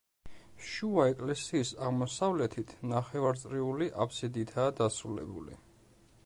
შუა ეკლესიის აღმოსავლეთით, ნახევარწრიული აფსიდითაა დასრულებული.